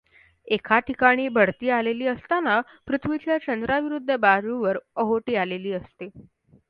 एका ठिकाणी भरती आलेली असताना पृथ्वीच्या चंद्राविरुद्ध बाजूवर ओहोटी आलेली असते.